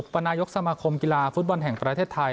ประนายกสมาคมกีฬาฟุตบอลแห่งประเทศไทย